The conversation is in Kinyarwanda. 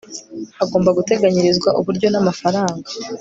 agomba guteganyirizwa uburyo n amafaranga